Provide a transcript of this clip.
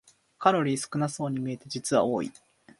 カロリー少なそうに見えて実は多い